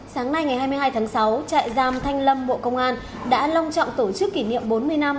sáng nay ngày hai mươi hai tháng sáu trại giam thanh lâm bộ công an đã long trọng tổ chức kỷ niệm bốn mươi năm